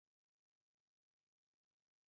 ولي همېشه پر خپله خبره ولاړ یې؟